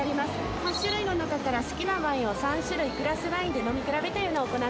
８種類の中から好きなワインを３種類グラスワインで飲み比べというのを行ってます。